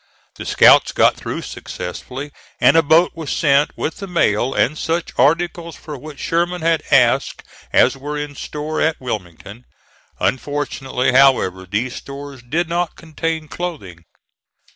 The scouts got through successfully, and a boat was sent with the mail and such articles for which Sherman had asked as were in store at Wilmington; unfortunately, however, those stores did not contain clothing.